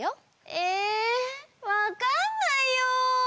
えわかんないよ！